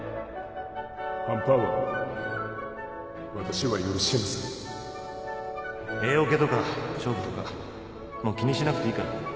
半端はわたしは許しませＡオケとか勝負とかもう気にしなくていいから。